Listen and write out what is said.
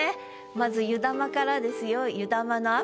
まず「湯玉」からですよ。